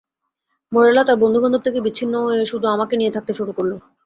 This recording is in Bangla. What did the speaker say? মোরেলা তার বন্ধুবান্ধব থেকে বিচ্ছিন্ন হয়ে শুধু আমাকে নিয়ে থাকতে শুরু করল।